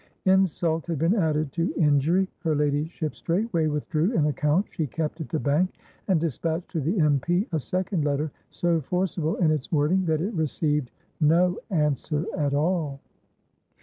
Insult had been added to injury; her ladyship straightway withdrew an account she kept at the bank, and dispatched to the M. P. a second letter, so forcible in its wording that it received no answer at all.